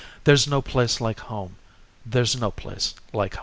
There's no place like Home! there's no place like Home!